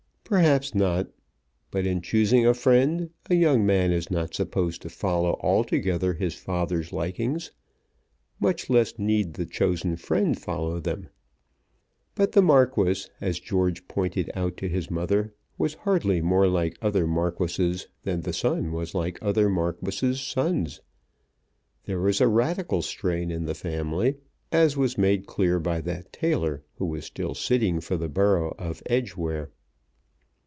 Perhaps not. But in choosing a friend a young man is not supposed to follow altogether his father's likings, much less need the chosen friend follow them. But the Marquis, as George pointed out to his mother, was hardly more like other marquises than the son was like other marquis's sons. There was a Radical strain in the family, as was made clear by that tailor who was still sitting for the borough of Edgeware.